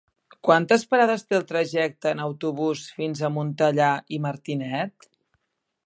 Quantes parades té el trajecte en autobús fins a Montellà i Martinet?